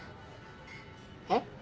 えっ？